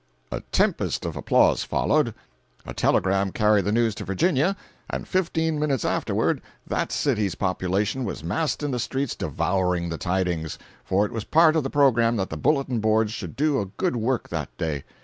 A tempest of applause followed. A telegram carried the news to Virginia, and fifteen minutes afterward that city's population was massed in the streets devouring the tidings—for it was part of the programme that the bulletin boards should do a good work that day.